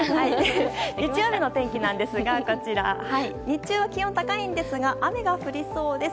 日曜日の天気ですが日中は気温が高いんですが雨が降りそうです。